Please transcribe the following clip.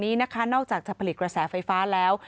นอกจากจะผลิตกระแสไฟฟ้าแล้ว